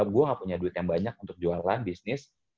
gue gak punya duit yang banyak untuk jualan bisnis